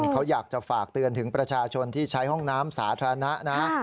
เขาอยากจะฝากเตือนถึงประชาชนที่ใช้ห้องน้ำสาธารณะนะ